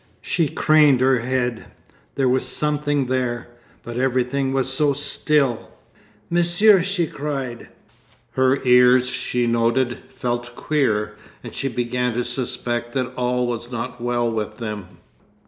She craned her head. There was something there. But everything was so still! 'Monsieur!' she cried. Her ears, she noted, felt queer, and she began to suspect that all was not well with them.